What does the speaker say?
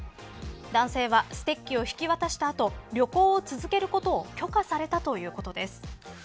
男性はステッキを引き渡した後旅行を続けることを許可されたということです。